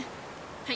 はい。